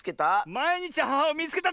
「まいにちアハハをみいつけた！」